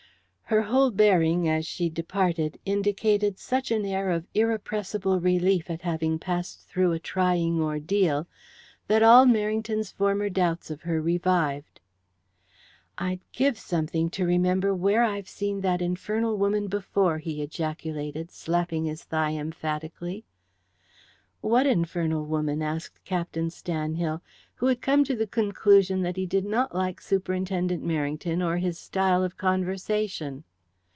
Her whole bearing, as she departed, indicated such an air of irrepressible relief at having passed through a trying ordeal that all Merrington's former doubts of her revived. "I'd give something to remember where I've seen that infernal woman before," he ejaculated, slapping his thigh emphatically. "What infernal woman?" asked Captain Stanhill, who had come to the conclusion that he did not like Superintendent Merrington or his style of conversation.